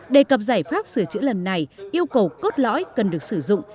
đề cập giải pháp sửa chữa lần này yêu cầu cốt lõi cần được sử dụng